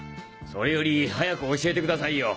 それより早く教えてくださいよ！